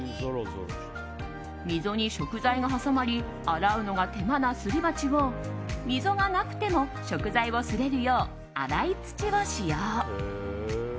溝に食材が挟まり洗うのが手間な、すり鉢を溝がなくても食材をすれるよう粗い土を使用。